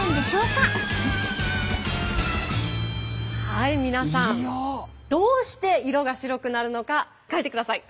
はい皆さんどうして色が白くなるのか書いてください。